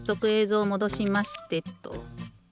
ぞうもどしましてと。